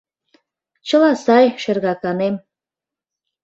— Чыла сай, шергаканем!